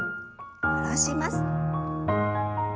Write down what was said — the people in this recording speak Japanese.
下ろします。